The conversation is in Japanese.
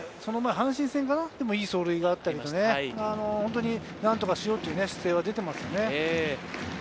阪神戦でもいい走塁があったり、何とかしようという姿勢が出てますよね。